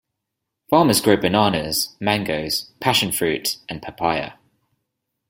Farmers grow bananas, mangoes, passion fruit and papaya.